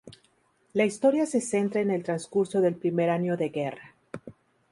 La historia se centra en el transcurso del primer año de guerra.